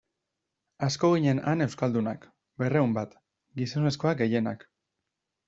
Asko ginen han euskaldunak, berrehunen bat, gizonezkoak gehienak.